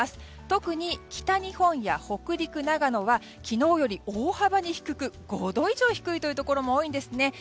特に北日本や北陸、長野は昨日より大幅に低く５度以上低いというところも多いんですね。